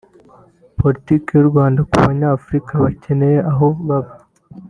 politiki y’u Rwanda ku Banyafurika bakeneye aho baba